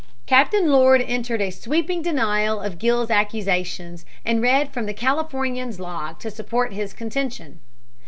Captain Lord entered a sweeping denial of Gill's accusations and read from the Californian's log to support his contention.